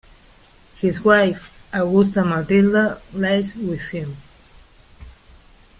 His wife Augusta Matilda lies with him.